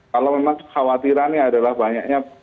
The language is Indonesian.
kalau memang kekhawatirannya adalah banyaknya